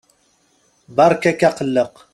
Beṛka-k aqelleq.